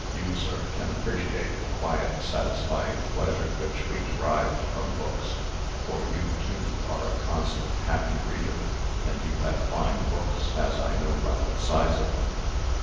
You, sir, can appreciate the quiet, satisfying pleasure which we derived from books, for you, too, are a constant, happy reader; and you have fine books, as I know by the size of them.